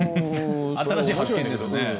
新しい発見ですね。